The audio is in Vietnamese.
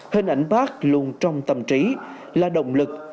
hình ảnh bác luôn trong tầm trí là động lực